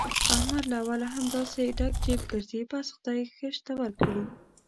احمد له اوله همداسې ډک جېب ګرځي، بس خدای ښه شته ورکړي.